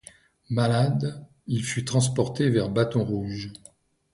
Malade, il fut transporté vers Bâton rouge.